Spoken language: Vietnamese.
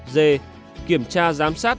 d kiểm tra giám sát